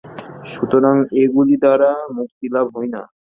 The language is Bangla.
সুতরাং ঐগুলি দ্বারা মুক্তিলাভ হয় না।